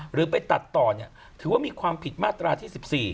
หรือไปตัดต่อถือว่ามีความผิดมาตราที่๑๔